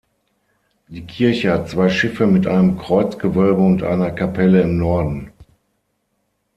Die Kirche hat zwei Schiffe mit einem Kreuzgewölbe und einer Kapelle im Norden.